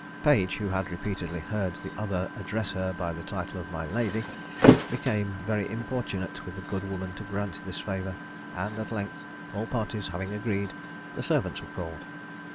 Page, who had repeatedly heard the other address her by the title of "My lady," became very importunate with the good woman to grant this favour; and at length, all parties having agreed, the servants were called.